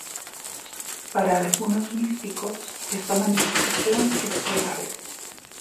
Para algunos místicos esta manifestación es real.